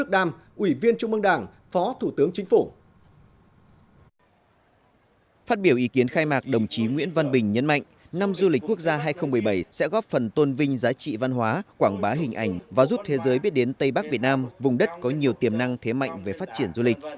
phát biểu ý kiến khai mạc đồng chí nguyễn văn bình nhấn mạnh năm du lịch quốc gia hai nghìn một mươi bảy sẽ góp phần tôn vinh giá trị văn hóa quảng bá hình ảnh và giúp thế giới biết đến tây bắc việt nam vùng đất có nhiều tiềm năng thế mạnh về phát triển du lịch